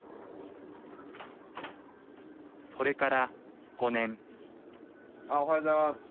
それから５年あっおはようございます。